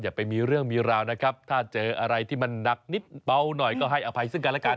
ไปมีเรื่องมีราวนะครับถ้าเจออะไรที่มันหนักนิดเบาหน่อยก็ให้อภัยซึ่งกันแล้วกัน